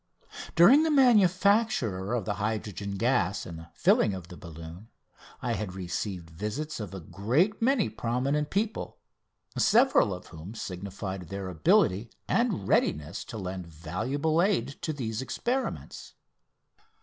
During the manufacture of the hydrogen gas and the filling of the balloon I had received the visits of a great many prominent people, several of whom signified their ability and readiness to lend valuable aid to these experiments.